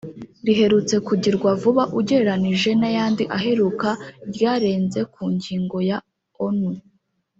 riherutse kugirwa vuba ugereranije n'ayandi aheruka ryarenze ku ngingo ya Onu